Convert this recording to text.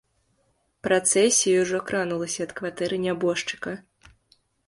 Працэсія ўжо кранулася ад кватэры нябожчыка.